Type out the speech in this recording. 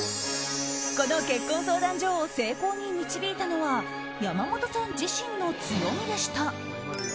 この結婚相談所を成功に導いたのは山本さん自身の強みでした。